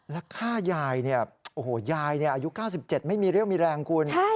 แล้วฆ่ายายเนี่ยโอ้โหยายอายุ๙๗ไม่มีเรี่ยวมีแรงคุณ